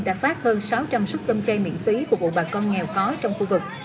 đã phát hơn sáu trăm linh xuất cơm chay miễn phí của bộ bà con nghèo khói trong khu vực